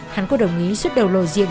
hắn có đồng ý xuất đầu lộ diện